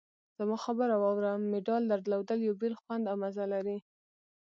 زما خبره واوره! مډال درلودل یو بېل خوند او مزه لري.